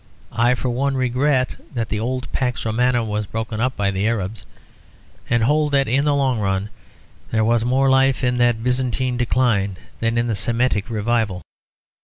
I for one regret that the old Pax Romana was broken up by the Arabs; and hold that in the long run there was more life in that Byzantine decline than in that Semitic revival.